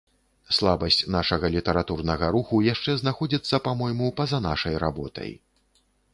Слабасць нашага літаратурнага руху яшчэ знаходзіцца, па-мойму, па-за нашай работай.